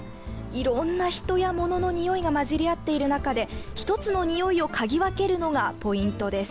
いろんな人や物のにおいが混じり合っている中で１つのにおいを嗅ぎ分けるのがポイントです。